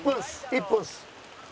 １分です。